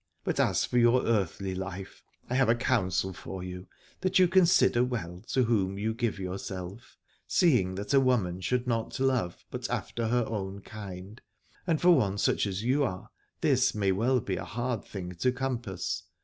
But as for your earthly life I have a counsel for you : that you consider well to whom you give yourself; seeing that a woman should not love but after her own kind, and for one such as you are this may well be a hard thing to compass.